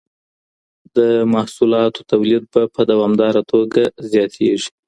د محصولاتو توليد به په دوامداره توګه زياتيږي.